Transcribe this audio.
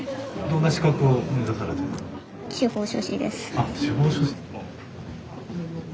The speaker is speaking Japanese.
あっ司法書士の。